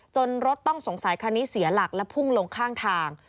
รถต้องสงสัยคันนี้เสียหลักและพุ่งลงข้างทาง